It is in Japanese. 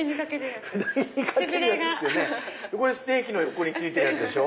これステーキの横に付いてるやつでしょ。